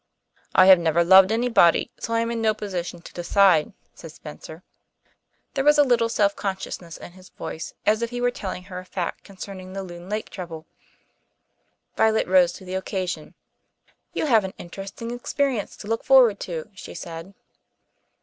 "I have never loved anybody, so I am in no position to decide," said Spencer. There was as little self consciousness in his voice as if he were telling her a fact concerning the Loon Lake trouble. Violet rose to the occasion. "You have an interesting experience to look forward to," she said.